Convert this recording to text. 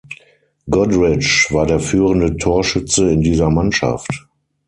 Goodrich war der führende Torschütze in dieser Mannschaft.